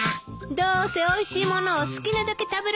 どうせおいしい物を好きなだけ食べられるからでしょ。